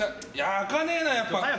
あかねーなやっぱ！